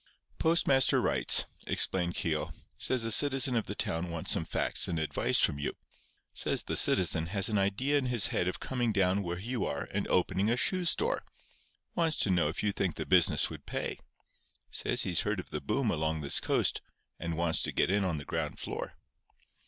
"Postmaster writes," explained Keogh. "Says a citizen of the town wants some facts and advice from you. Says the citizen has an idea in his head of coming down where you are and opening a shoe store. Wants to know if you think the business would pay. Says he's heard of the boom along this coast, and wants to get in on the ground floor."